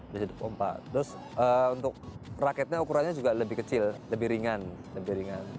terus untuk racketnya ukurannya juga lebih kecil lebih ringan